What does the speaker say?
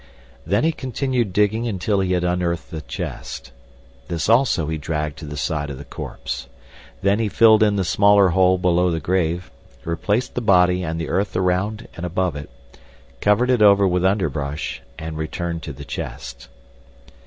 Then he continued digging until he had unearthed the chest. This also he dragged to the side of the corpse. Then he filled in the smaller hole below the grave, replaced the body and the earth around and above it, covered it over with underbrush, and returned to the chest.